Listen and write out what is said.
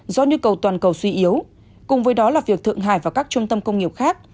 do nhu cầu toàn cầu suy yếu cùng với đó là việc thượng hải và các trung tâm công nghiệp khác